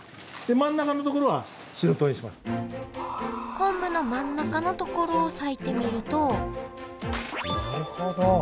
昆布の真ん中のところを割いてみるとなるほど！